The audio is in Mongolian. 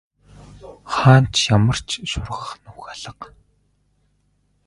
Хаана ч ямар ч шургах нүх алга.